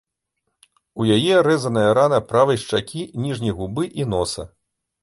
У яе рэзаная рана правай шчакі, ніжняй губы і носа.